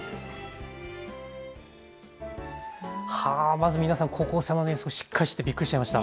まず皆さん、高校生なのにしっかりしていてびっくりしました。